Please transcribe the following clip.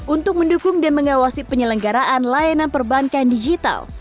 untuk mendukung dan mengawasi penyelenggaraan layanan perbankan digital